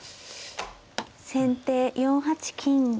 先手４八金。